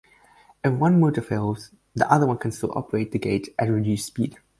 If one motor fails, the other can still operate the gate at reduced speed.